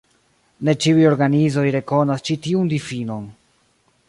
Ne ĉiuj organizoj rekonas ĉi tiun difinon.